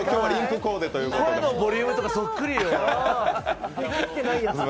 声のボリュームとかそっくりよ。